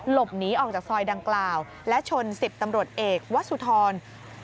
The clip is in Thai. หลบหนีออกจากซอยดังกล่าวและชน๑๐ตำรวจเอกวสุธร